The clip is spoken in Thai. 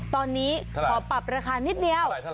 ตอนนี้ขอปรับราคานิดเดียว